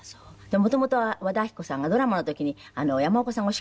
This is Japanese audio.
もともとは和田アキ子さんがドラマの時に山岡さんがお叱りになったんですって？